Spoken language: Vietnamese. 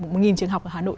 một nghìn trường học ở hà nội